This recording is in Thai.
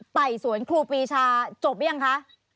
ไต่สวนครูปีชาจบหรือยังคะ